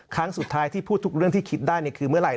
ครั้งสุดท้ายที่พูดทุกเรื่องที่คิดได้คือเมื่อไหร่